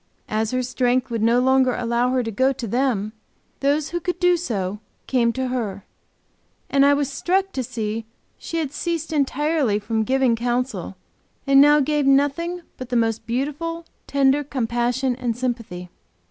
As her strength would no longer allow her to go to them, those who could do so came to her, and I was struck to see she had ceased entirely from giving counsel, and now gave nothing but the most beautiful, tender compassion and sympathy.